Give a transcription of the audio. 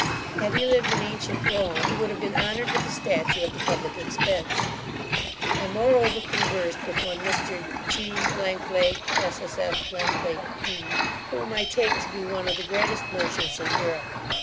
Had he lived in ancient Rome, he would have been honoured with a statue at the public expence. I moreover conversed with one Mr G ssf d, whom I take to be one of the greatest merchants in Europe.